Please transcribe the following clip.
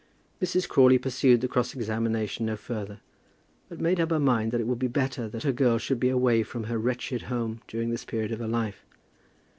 Mrs. Crawley pursued the cross examination no further, but made up her mind that it would be better that her girl should be away from her wretched home during this period of her life.